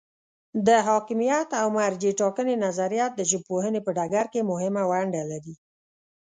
د حاکمیت او مرجع ټاکنې نظریه د ژبپوهنې په ډګر کې مهمه ونډه لري.